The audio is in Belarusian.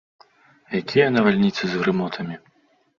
Якія навальніцы з грымотамі!